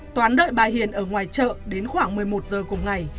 toán đợi bà hiền ở ngoài chợ đến khoảng một mươi một giờ cùng ngày